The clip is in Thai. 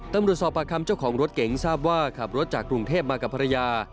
ตำรวจสอบประคำเจ้าของรถเก๋งทราบว่าขับรถจากกรุงเทพมากับภรรยา